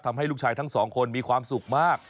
ทำให้ลูกชายทั้งสองคนมีความสุขมาก